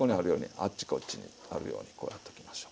あっちこっちにあるようにこうやっときましょ。